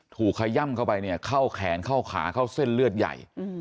ขย่ำเข้าไปเนี่ยเข้าแขนเข้าขาเข้าเส้นเลือดใหญ่